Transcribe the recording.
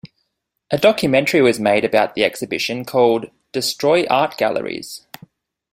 A documentary was made about the exhibition, called "Destroy Art Galleries".